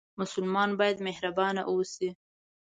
مسلمان باید مهربانه اوسي